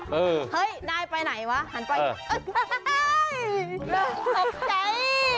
เฮ้ยนายไปไหนวะหันไป